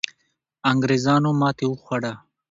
انګریزانو ماتې وخوړه.